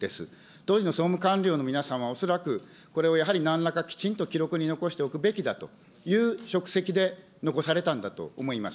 当時の総務官僚の皆さんは恐らくこれをやはりなんらかきちんと記録に残しておくべきだという職責で残されたんだと思います。